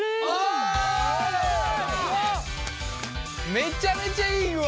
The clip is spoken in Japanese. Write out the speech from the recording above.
めちゃめちゃいい具合。